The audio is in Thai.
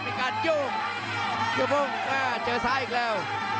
มีการยุ่งเสื้อพวกเบียดเจอซ้ายอีกแล้ว